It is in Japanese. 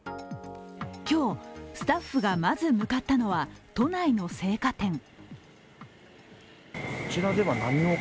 今日、スタッフがまず向かったのは都内の青果店。